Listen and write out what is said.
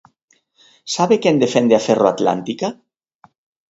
¿Sabe quen defende a Ferroatlántica?